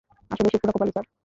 আসলেই সে পুরা কপালী, স্যার।